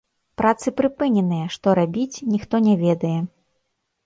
Працы прыпыненыя, што рабіць, ніхто не ведае.